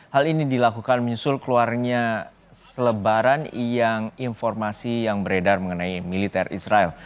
hal ini dilakukan menyusul keluarnya selebaran yang informasi yang beredar mengenai militer israel